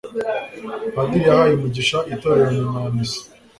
Padiri yahaye umugisha itorero nyuma ya misa